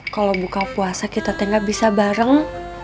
kalau buka puasa kita tinggal bisa bareng